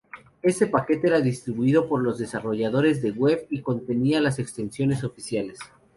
Este paquete era distribuido por los desarrolladores de Web y contenía las extensiones oficiales.